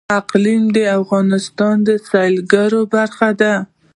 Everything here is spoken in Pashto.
اقلیم د افغانستان د سیلګرۍ برخه ده.